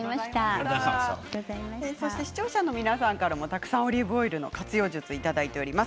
視聴者の皆さんからもたくさんオリーブオイルの活用術いただいております。